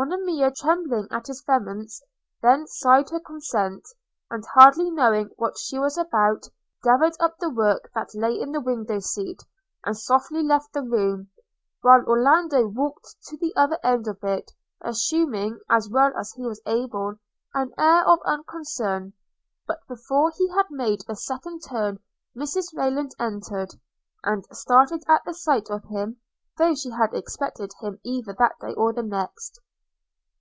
Monimia, trembling at his vehemence, then sighed her consent – and hardly knowing what she was about, gathered up the work that lay in the window seat, and softly left the room, while Orlando walked to the other end of it, assuming, as well as he was able, an air of unconcern; but before he had made a second turn Mrs Rayland entered – and started at the sight of him, though she had expected him either that day or the next.